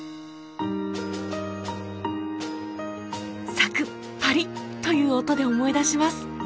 サクッパリッという音で思い出します。